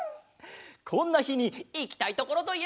こんなひにいきたいところといえば？